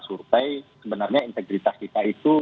survei sebenarnya integritas kita itu